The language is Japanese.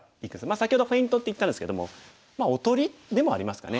先ほどフェイントって言ったんですけどもまあおとりでもありますかね。